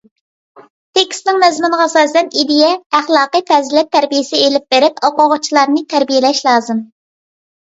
تېكىستنىڭ مەزمۇنىغا ئاساسەن ئىدىيە، ئەخلاقىي پەزىلەت تەربىيىسى ئېلىپ بېرىپ، ئوقۇغۇچىلارنى تەربىيىلەش لازىم.